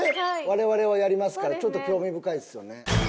われわれはやりますからちょっと興味深いっすよね。